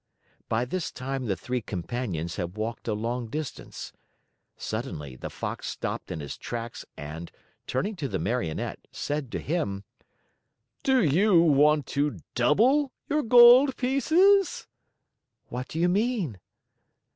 By this time the three companions had walked a long distance. Suddenly, the Fox stopped in his tracks and, turning to the Marionette, said to him: "Do you want to double your gold pieces?" "What do you mean?"